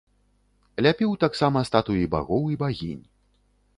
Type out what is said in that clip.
Ляпіў таксама статуі багоў і багінь.